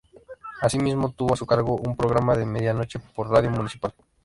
Asimismo, tuvo a su cargo un programa de medianoche por Radio Municipal.